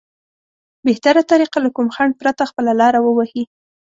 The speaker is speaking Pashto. بهتره طريقه له کوم خنډ پرته خپله لاره ووهي.